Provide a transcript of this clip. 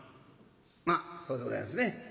「まあそうでございますね。